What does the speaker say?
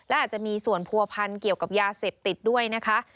และอาจจะมีส่วนผัวพันธ์เกี่ยวกับยาเสพติดด้วยนะคะ